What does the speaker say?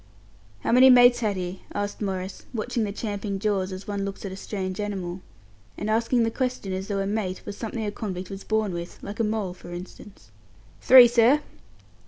"How many mates had he?" asked Maurice, watching the champing jaws as one looks at a strange animal, and asking the question as though a "mate" was something a convict was born with like a mole, for instance. "Three, sir."